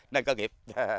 nên có nghiệp